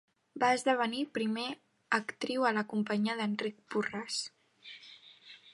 Va esdevenir primera actriu a la companyia d'Enric Borràs.